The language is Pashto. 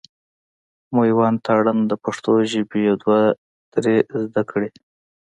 مېوند تارڼ د پښتو ژبي يو دوه درې زده کړي.